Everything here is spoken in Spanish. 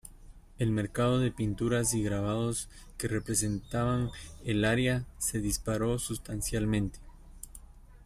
El mercado de pinturas y grabados que representaban el área se disparó sustancialmente.